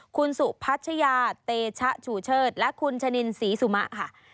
คุณสุพัชยาเตชะชูเชิดและคุณชะนินศรีสุมะค่ะ